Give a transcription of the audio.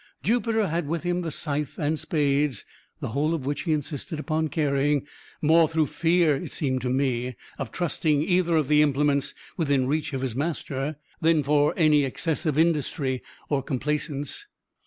Jupiter had with him the scythe and spades the whole of which he insisted upon carrying more through fear, it seemed to me, of trusting either of the implements within reach of his master, than from any excess of industry or complaisance.